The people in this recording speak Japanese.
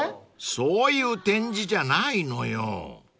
［そういう展示じゃないのよ］